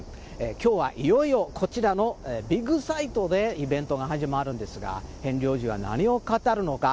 きょうはいよいよ、こちらのビッグサイトでイベントが始まるんですが、ヘンリー王子は何を語るのか。